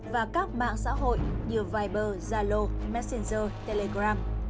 và các mạng xã hội như viber zalo messenger telegram